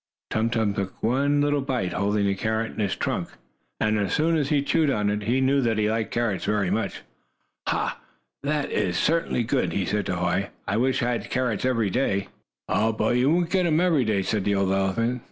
Tum Tum took one little bite, holding the carrot in his trunk. And, as soon as he chewed on it, he knew that he liked carrots very much. "Ha! That is certainly good!" he said to Hoy. "I wish I had carrots every day." "Oh, but you won't get them every day," said the old elephant.